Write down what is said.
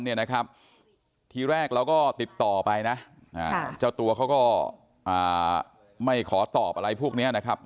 เนี่ยนะครับทีแรกเราก็ติดต่อไปนะเจ้าตัวเขาก็ไม่ขอตอบอะไรพวกนี้นะครับ